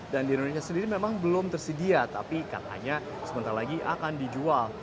dan di indonesia sendiri memang belum tersedia tapi katanya sebentar lagi akan dijual